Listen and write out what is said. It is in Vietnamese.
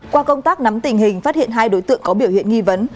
qua công tác nắm tình hình phát hiện hai đối tượng có biểu hiện nghi vấn